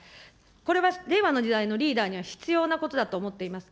これは令和の時代のリーダーには必要なことだと思っています。